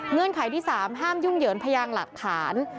เงื่อนไขที่สามห้ามยุ่งเยินพยานหลักฐาน